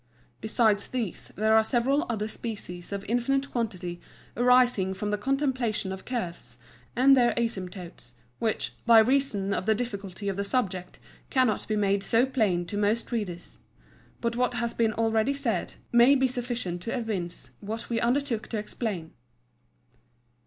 Besides these, there are several other Species of infinite Quantity, arising from the Contemplation of Curves, and their Asymptotes; which, by reason of the difficulty of the Subject, cannot be made so plain to most Readers: But what has been already said, may be sufficient to evince what we undertook to explain.